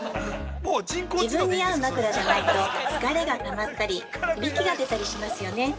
◆自分に合う枕じゃないと疲れがたまったりいびきが出たりしますよね。